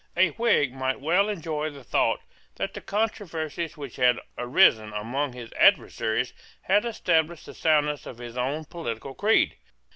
A Whig might well enjoy the thought that the controversies which had arisen among his adversaries had established the soundness of his own political creed.